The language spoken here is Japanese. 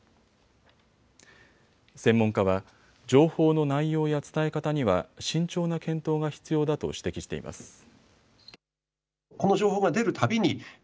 専門家は情報の内容や伝え方には慎重な検討が必要だと指摘しています。